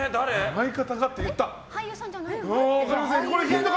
相方がって言った！